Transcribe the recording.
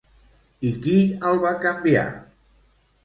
I qui el va canviar?